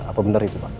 apa benar itu pak